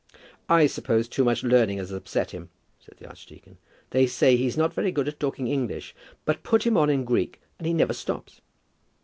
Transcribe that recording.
"I suppose too much learning has upset him," said the archdeacon. "They say he's not very good at talking English, but put him on in Greek and he never stops."